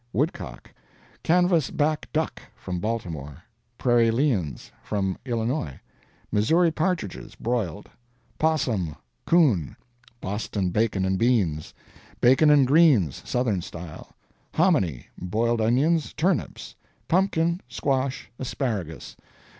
Woodcock. Canvas back duck, from Baltimore. Prairie liens, from Illinois. Missouri partridges, broiled. 'Possum. Coon. Boston bacon and beans. Bacon and greens, Southern style. Hominy. Boiled onions. Turnips. Pumpkin. Squash. Asparagus.